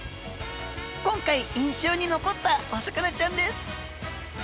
今回印象に残ったお魚ちゃんです。